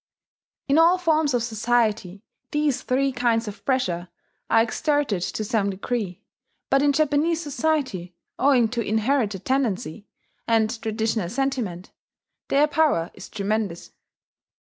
In all forms of society these three kinds of pressure are exerted to some degree; but in Japanese society, owing to inherited tendency, and traditional sentiment, their power is tremendous.